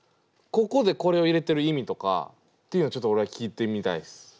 ここでこれを入れてる意味とかっていうのをちょっと俺は聞いてみたいです。